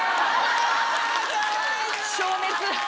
消滅。